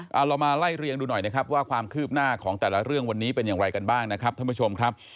เอาเรามาไล่เรียงดูหน่อยนะครับว่าความคืบหน้าของแต่ละเรื่องวันนี้เป็นอย่างไรกันบ้างนะครับท่านผู้ชมครับ